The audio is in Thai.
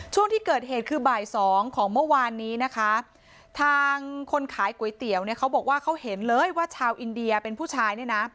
ช่วงที่เกิดเหตุคือบ่ายสองของเมื่อวานนี้นะคะทางคนขายก๋วยเตี๋ยวเนี่ยเขาบอกว่าเขาเห็นเลยว่าชาวอินเดียเป็นผู้ชายเนี่ยนะ